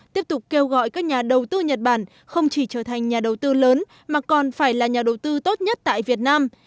tiếp tục kêu gọi các nhà đầu tư nhật bản không chỉ trở thành nhà đầu tư lớn mà còn phải là nhà đầu tư tốt nhất tại việt nam